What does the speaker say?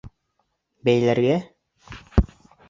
— Бәйләргә?